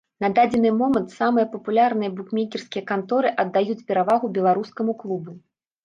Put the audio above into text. На дадзены момант самыя папулярныя букмекерскія канторы аддаюць перавагу беларускаму клубу.